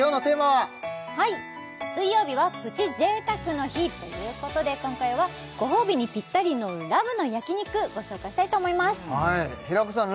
はい水曜日はプチ贅沢の日ということで今回はご褒美にピッタリのラムの焼肉ご紹介したいと思います平子さん